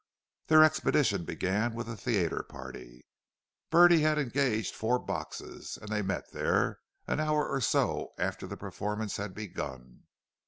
Their expedition began with a theatre party. Bertie had engaged four boxes, and they met there, an hour or so after the performance had begun.